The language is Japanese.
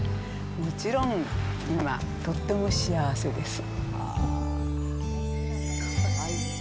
もちろん今、とっても幸せです。